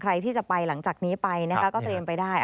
ใครที่จะไปหลังจากนี้ไปนะคะก็เตรียมไปได้